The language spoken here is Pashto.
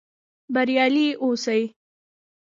بریالي اوسئ؟